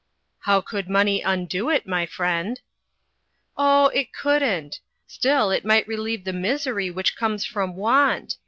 "How could money undo it, my friend?" "Oh, it couldn't. Still, it might relieve the misery which comes from want.